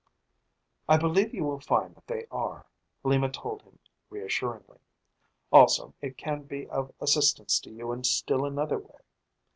"I believe you will find that they are," Lima told him reassuringly. "Also, it can be of assistance to you in still another way.